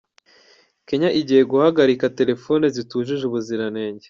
Kenya igiye guhagarika telephone zitujuje ubuziranenge